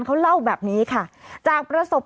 ฮ่าฮ่าฮ่าฮ่าฮ่าฮ่า